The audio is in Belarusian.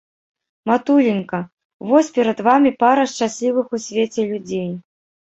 Матуленька, вось перад вамі пара шчаслівых у свеце людзей.